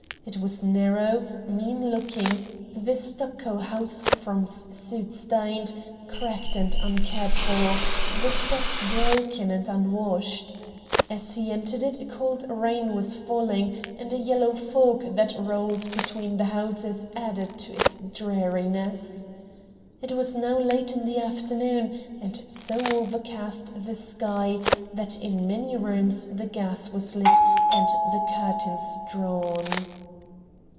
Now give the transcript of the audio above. It was narrow, mean looking, the stucco house fronts, soot stained, cracked, and uncared for, the steps broken and unwashed. As he entered it a cold rain was falling, and a yellow fog that rolled between the houses added to its dreariness. It was now late in the afternoon, and so overcast the sky that in many rooms the gas was lit and the curtains drawn.